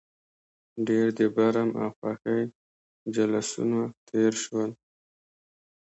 ډېر د برم او خوښۍ جلوسونه تېر شول.